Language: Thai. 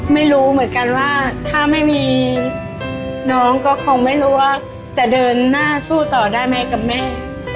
ไม่รู้เหมือนกันว่าถ้าไม่มีน้องก็คงไม่รู้ว่าจะเดินหน้าสู้ต่อได้ไหมกับแม่